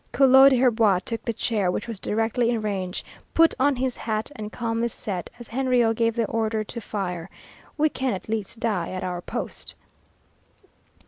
Collot d'Herbois took the chair, which was directly in range, put on his hat, and calmly said, as Henriot gave the order to fire, "We can at least die at our post."